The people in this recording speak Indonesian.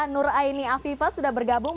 nur aini afifah sudah bergabung